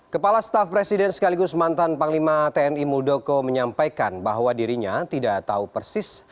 kepala staf presiden sekaligus mantan panglima tni muldoko menyampaikan bahwa dirinya tidak tahu persis